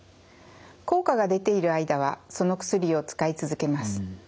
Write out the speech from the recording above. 効果が出ている間はその薬を使い続けます。